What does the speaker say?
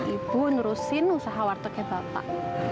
ibu nurusin usaha wartegnya bapak